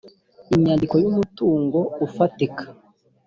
inyandiko y’umutungo ufatika